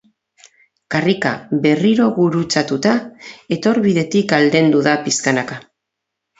Karrika berriro gurutzatuta etorbidetik aldendu da pixkanaka.